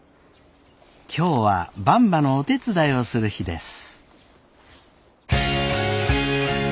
今日はばんばのお手伝いをする日です。